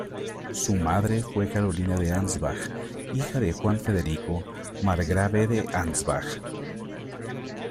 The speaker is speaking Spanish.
Su madre fue Carolina de Ansbach, hija de Juan Federico, margrave de Ansbach.